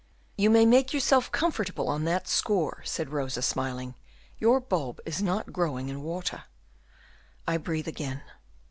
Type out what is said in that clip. "You may make yourself comfortable on that score," said Rosa, smiling; "your bulb is not growing in water." "I breathe again."